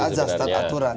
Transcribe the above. taat azas taat aturan